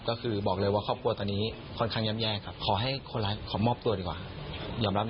ก็คือบอกเลยว่าคนควรตอนนี้ค่อนข้างย่ำแย่ครับ